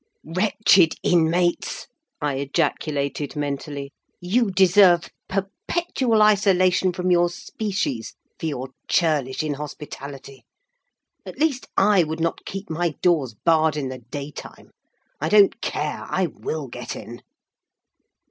"Wretched inmates!" I ejaculated, mentally, "you deserve perpetual isolation from your species for your churlish inhospitality. At least, I would not keep my doors barred in the day time. I don't care—I will get in!"